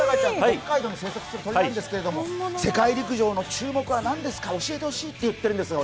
北海道に生息する鳥なんですけど世界陸上の注目は何ですか教えてほしいと言っているんですが。